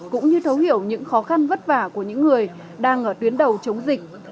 cũng như thấu hiểu những khó khăn vất vả của những người đang ở tuyến đầu chống dịch